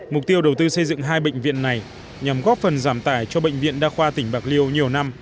mục tiêu đầu tư xây dựng hai bệnh viện này nhằm góp phần giảm tải cho bệnh viện đa khoa tỉnh bạc liêu nhiều năm